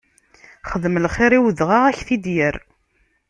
Xdem lxiṛ i udɣaɣ, ad k-t-id-yerr!